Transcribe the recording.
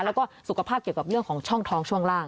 แล้วก็สุขภาพเกี่ยวกับเรื่องของช่องท้องช่วงล่าง